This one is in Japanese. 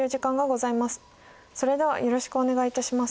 それではよろしくお願いいたします。